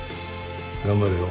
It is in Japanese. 頑張れよ。